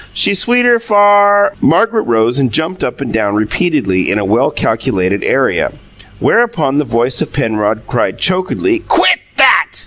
She's sweeter far " Margaret rose and jumped up and down repeatedly in a well calculated area, whereupon the voice of Penrod cried chokedly, "QUIT that!"